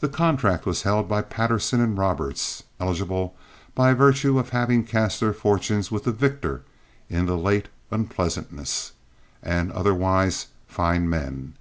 The contract was held by Patterson & Roberts, eligible by virtue of having cast their fortunes with the victor in "the late unpleasantness," and otherwise fine men.